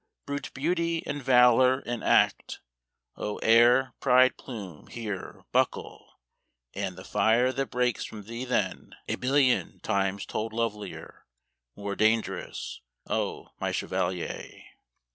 Brute beauty and valour and act, oh, air, pride, plume, here Buckle! AND the fire that breaks from thee then, a billion Times told lovelier, more dangerous, O my chevalier!